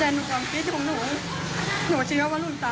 แต่หนูความคิดของหนูหนูเชื่อว่าลูกตาเป็นคนทำ